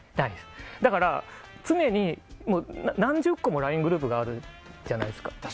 だから、常に何十個もＬＩＮＥグループがあるじゃないですか。